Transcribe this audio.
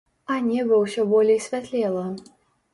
А неба ўсё болей святлела.